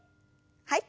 はい。